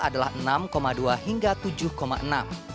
adalah enam dua hingga tujuh enam